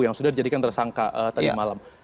yang sudah dijadikan tersangka tadi malam